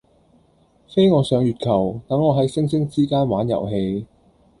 飛我上月球，等我喺星星之間玩遊戲